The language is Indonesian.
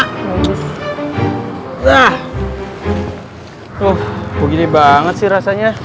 tuh kok gini banget sih rasanya